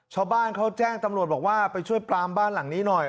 ชาวบ้านเขาแจ้งตำรวจบอกว่าไปช่วยปลามบ้านหลังนี้หน่อย